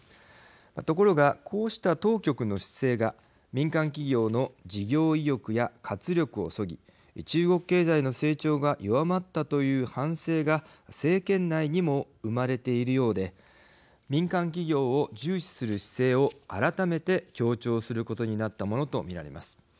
ところが、こうした当局の姿勢が民間企業の事業意欲や活力をそぎ中国経済の成長が弱まったという反省が政権内にも生まれているようで民間企業を重視する姿勢を改めて強調することになったものと見られます。